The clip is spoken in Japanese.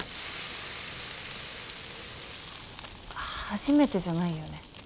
初めてじゃないよね？